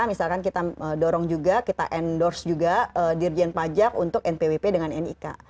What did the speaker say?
misalkan kita dorong juga kita endorse juga dirjen pajak untuk npwp dengan nik